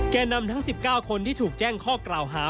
แก่นำทั้ง๑๙คนที่ถูกแจ้งข้อกล่าวหา